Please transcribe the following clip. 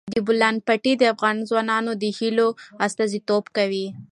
د بولان پټي د افغان ځوانانو د هیلو استازیتوب کوي.